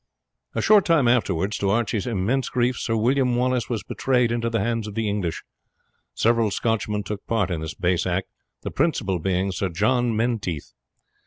A short time afterwards, to Archie's immense grief, Sir William Wallace was betrayed into the hands of the English. Several Scotchmen took part in this base act, the principal being Sir John Menteith.